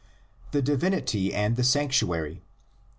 THE DIVINITY AND THE SANCTUARY.